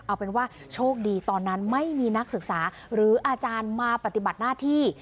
เอาเป็นว่าโชคดีตอนนั้นไม่มีนักศึกษาหรืออาจารย์มาปฏิบัติหน้าที่